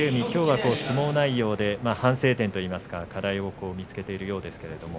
きょうは相撲内容で反省点といいますか課題を見つけているようですね。